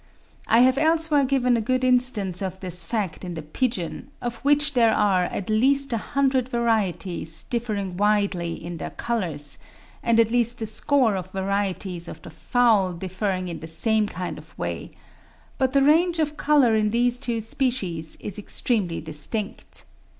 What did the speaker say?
I have elsewhere given a good instance of this fact in the pigeon, of which there are at least a hundred varieties differing widely in their colours, and at least a score of varieties of the fowl differing in the same kind of way; but the range of colour in these two species is extremely distinct.